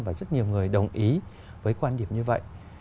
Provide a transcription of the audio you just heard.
và rất nhiều người đồng ý với quan điểm như vậy